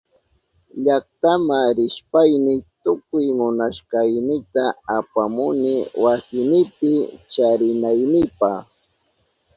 Llaktama rishpayni tukuy munashkaynita apamuni wasinipi charinaynipa.